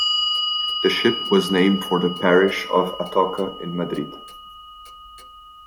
The ship was named for the parish of Atocha in Madrid.